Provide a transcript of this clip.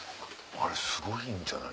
あれすごいんじゃない？